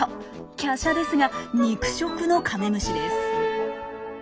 きゃしゃですが肉食のカメムシです。